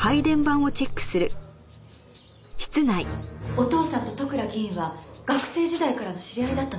お父さんと利倉議員は学生時代からの知り合いだったのね。